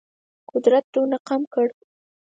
قدرت دونه کم کړ.